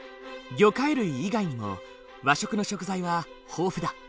魚介類以外にも和食の食材は豊富だ。